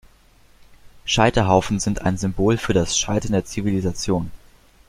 Scheiterhaufen sind ein Symbol für das Scheitern der Zivilisation.